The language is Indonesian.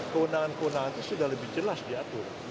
keundangan keundangan itu sudah lebih jelas diatur